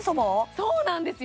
そうなんですよ！